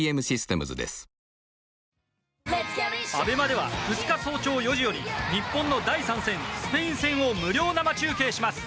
ＡＢＥＭＡでは２日早朝４時より日本の第３戦、スペイン戦を無料生中継します！